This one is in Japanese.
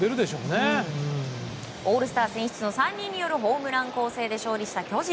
オールスター選出の３人によるホームラン攻勢で勝利した巨人。